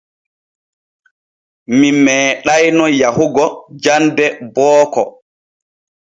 Mi meeɗayno yahugo jande booko.